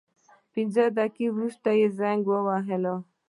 پنځه دقیقې وروسته یې زنګ وواهه.